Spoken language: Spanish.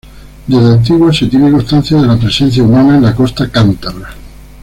Desde antiguo se tiene constancia de la presencia humana en la costa cántabra.